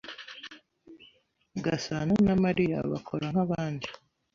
Gasanana Mariya bakora nkabandi.